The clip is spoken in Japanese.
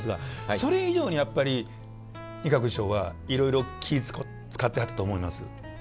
それ以上にやっぱり仁鶴師匠はいろいろ気ぃ遣ってはったと思います。